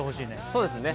そうですね